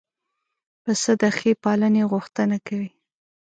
پسه د ښې پالنې غوښتنه کوي.